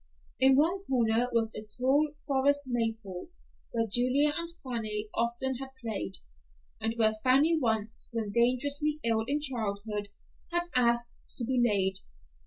In one corner was a tall forest maple, where Julia and Fanny often had played, and where Fanny once, when dangerously ill in childhood, had asked to be laid.